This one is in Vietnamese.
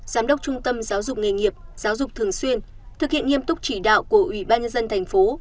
giám đốc trung tâm giáo dục nghề nghiệp giáo dục thường xuyên thực hiện nghiêm túc chỉ đạo của ủy ban nhân dân thành phố